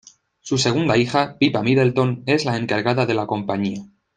Su segunda hija, Pippa Middleton, es la encargada de la compañía.